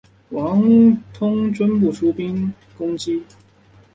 王通均不出兵进攻。